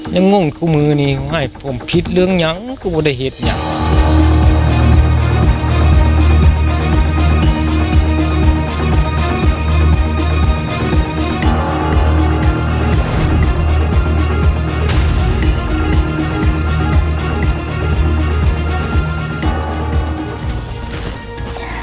ยังง่วงคุณมือนี้ว่าให้ผมพิษเรื่องยังคือไม่ได้เห็ดอย่างนั้น